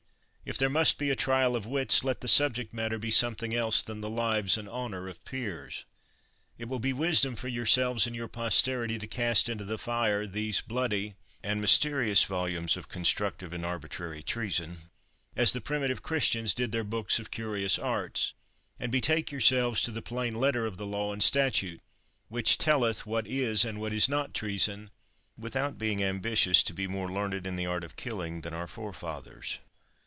If there must be a trial of wits, let the subject matter be something else than the lives and honor of peers! It will be wisdom for yourselves and your posterity to cast 76 STRAFFORD into the fire these bloody and mysterious volumes of constructive and arbitrary treason, as the primitive Christians did their books of curious arts ; and betake yourselves to the plain letter of the law and statute, which telleth what is and what is not treason, without being ambitious to be more learned in the art of killing than our forefathers.